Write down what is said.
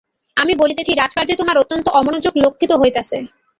আমি বলিতেছি, রাজকার্যে তােমার অত্যন্ত অমনােযােগ লক্ষিত হইতেছে।